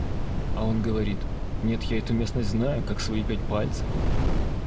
А он говорит: «Нет, я эту местность знаю, как свои пять пальцев».